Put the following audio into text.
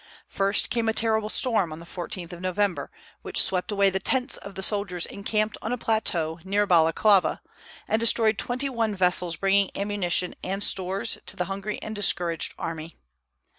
First came a terrible storm on the 14th of November, which swept away the tents of the soldiers encamped on a plateau near Balaklava, and destroyed twenty one vessels bringing ammunition and stores to the hungry and discouraged army.